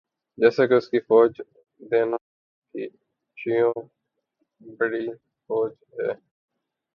جیسا کہ اس کی فوج دنیا کی چھویں بڑی فوج ہے